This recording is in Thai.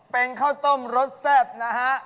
เป็นข้าวต้มรสแซ่บนะฮะ